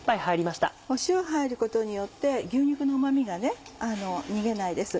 塩入ることによって牛肉のうま味が逃げないです。